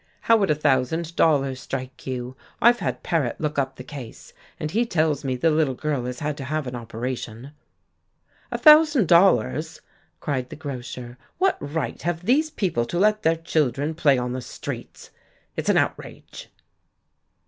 "How would a thousand dollars strike you? I've had Paret look up the case, and he tells me the little girl has had to have an operation." "A thousand dollars!" cried the grocer. "What right have these people to let their children play on the streets? It's an outrage."